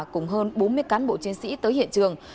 cùng hơn bốn mươi cán bộ chiến sĩ tới hiện trường